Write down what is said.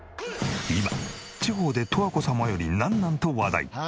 今地方で十和子様より「なんなん？」と話題。